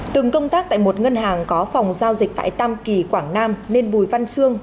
từng công tác tại một ngân hàng có phòng giao dịch tại tam kỳ quảng nam nên bùi văn xương